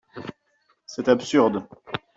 C’est absurde